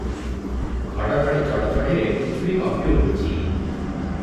ଘଡ଼ଘଡ଼ି ଚଡ଼ଚଡ଼ିରେ ପୃଥିବୀ କମ୍ପି ଉଠୁଛି ।